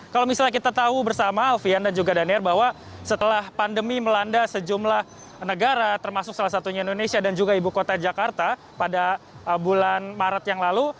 kalau misalnya kita tahu bersama alfian dan juga daniel bahwa setelah pandemi melanda sejumlah negara termasuk salah satunya indonesia dan juga ibu kota jakarta pada bulan maret yang lalu